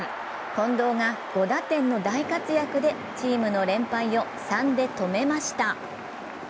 近藤が５打点の大活躍でチームの連敗を３で止めました。